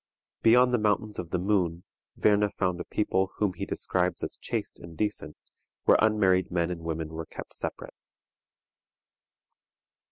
Beyond the Mountains of the Moon Werne found a people whom he describes as chaste and decent, where unmarried men and women were kept separate.